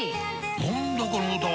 何だこの歌は！